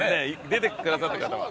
出てくださった方は。